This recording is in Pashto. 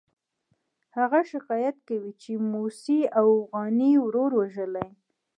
هغه شکایت کوي چې موسی اوغاني ورور وژلی.